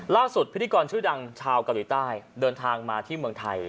พิธีกรชื่อดังชาวเกาหลีใต้เดินทางมาที่เมืองไทย